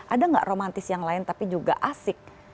ada nggak romantis yang lain tapi juga asik